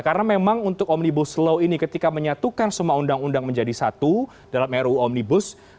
karena memang untuk omnibus law ini ketika menyatukan semua undang undang menjadi satu dalam ruu omnibus